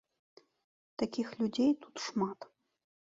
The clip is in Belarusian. Такіх людзей тут шмат.